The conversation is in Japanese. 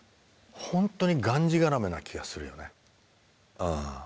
ほんとにがんじがらめな気がするよねうん。